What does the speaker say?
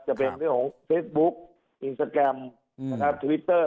จะเป็นเรื่องของเฟซบุ๊กอินเซอร์แกรมทวิตเตอร์